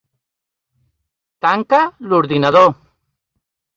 Tanca l'ordinador.